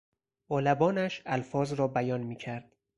با لبانش الفاظ را بیان میکرد.